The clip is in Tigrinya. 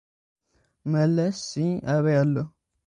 መሊስሳ ኣበይ ኣላ?